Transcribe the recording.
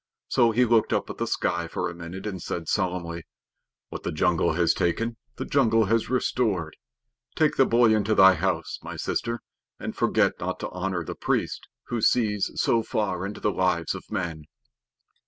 So he looked up at the sky for a minute and said solemnly: "What the jungle has taken the jungle has restored. Take the boy into thy house, my sister, and forget not to honor the priest who sees so far into the lives of men."